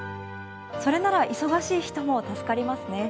それなら忙しい人も助かりますね。